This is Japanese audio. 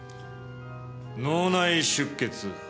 脳内出血。